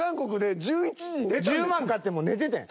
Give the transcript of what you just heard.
１０万勝ってもう寝ててん。